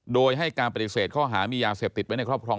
โดยให้การปฏิเสธข้อหามียาเสพติดไว้ในครอบครอง